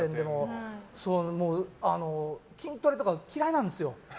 筋トレとか嫌いなんですよ。